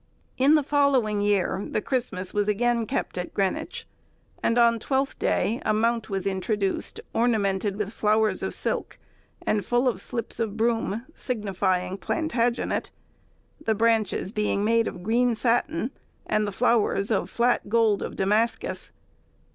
In the following year the Christmas was again kept at Greenwich, and on Twelfth Day a mount was introduced, ornamented with flowers of silk, and full of slips of broom, signifying Plantagenet; the branches being made of green satin, and the flowers of flat gold of Damascus.